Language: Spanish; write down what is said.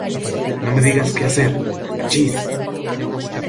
No me digas qué hacer .¡ chis !